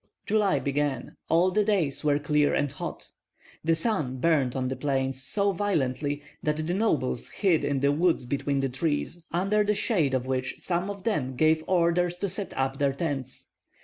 July began; all the days were clear and hot. The sun burned on the plains so violently that the nobles hid in the woods between the trees, under the shade of which some of them gave orders to set up their tents.